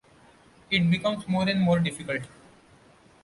It becomes more and more difficult.